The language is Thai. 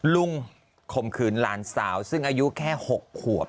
ข่มขืนหลานสาวซึ่งอายุแค่๖ขวบ